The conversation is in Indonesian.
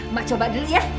mak coba dulu ya